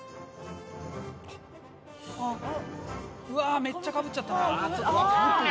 うわめっちゃかぶっちゃったな。